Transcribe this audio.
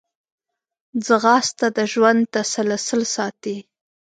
ځغاسته د ژوند تسلسل ساتي